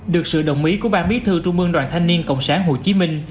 được sự đồng ý của ban bí thư trung mương đoàn thanh niên cộng sản hồ chí minh